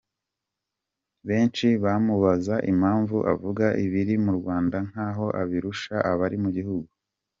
Benshi bamubaza impamvu avuga ibiri mu Rwanda nk’aho abirusha abari mu gihugu.